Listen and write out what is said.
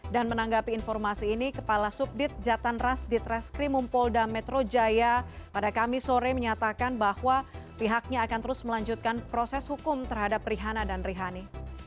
dan menanggapi informasi ini kepala subdit jatan ras ditreskrimum polda metro jaya pada kamis sore menyatakan bahwa pihaknya akan terus melanjutkan proses hukum terhadap rihana dan rihani